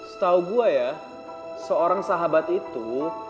setahu gue ya seorang sahabat itu